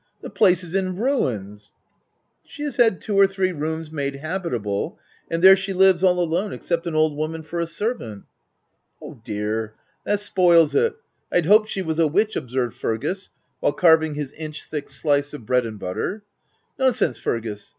The place is in ruins f u She has had two or three rooms made habitable ; and there she lives, all alone — except an old woman for a servant !"" Oh dear ! that spoils it — Vd hoped she Was a witch/' observed Fergus, while carving his inch thick slice of bread and butter. " Nonsense, Fergus